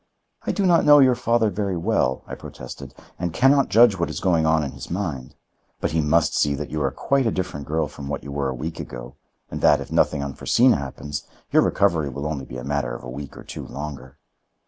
"I do not know your father very well," I protested; "and can not judge what is going on in his mind. But he must see that you are quite a different girl from what you were a week ago, and that, if nothing unforeseen happens, your recovery will only be a matter of a week or two longer."